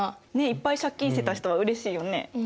いっぱい借金してた人はうれしいよね。